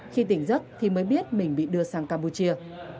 khi tỉnh giấc thì mới biết mình bị đưa sang campuchia